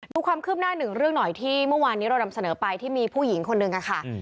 ดูความคืบหน้าหนึ่งเรื่องหน่อยที่เมื่อวานนี้เรานำเสนอไปที่มีผู้หญิงคนหนึ่งค่ะ